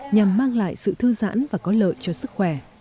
nhằm mang lại sự thư giãn và có lợi cho sức khỏe